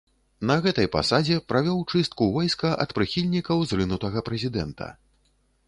На гэтай пасадзе правёў чыстку войска ад прыхільнікаў зрынутага прэзідэнта.